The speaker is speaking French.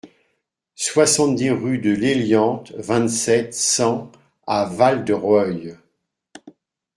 soixante-dix rue de l'Hélianthe, vingt-sept, cent à Val-de-Reuil